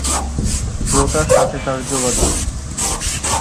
শ্রোতার সাথে তার যোগাযোগ।